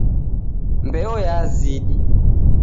Mbeo yazidi.